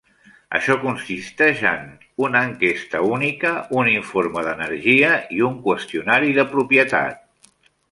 Això consisteix en: una enquesta única, un informe d'energia i un qüestionari de propietat.